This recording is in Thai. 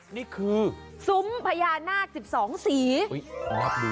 นี่คือซุ้มพญานาค๑๒สี